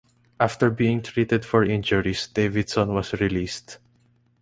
After being treated for injuries, Davidson was released.